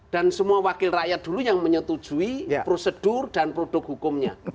dan semua wakil rakyat dulu yang menyetujui prosedur dan produk hukumnya